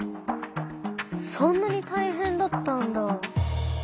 そんなにたいへんだったんだ。